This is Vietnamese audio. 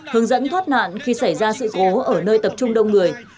hướng dẫn thoát nạn khi xảy ra sự cố ở nơi tập trung đông người